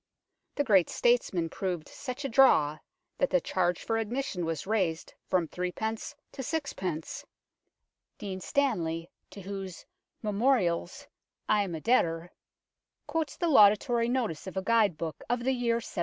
The great statesman proved such a draw that the charge for admission was raised from threepence to sixpence. Dean Stanley, to whose Memorials I am a debtor, quotes the laudatory notice of a guide book of the year 1783.